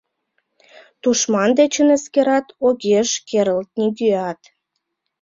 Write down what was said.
Тушман дечын эскерат Огеш керылт нигӧат.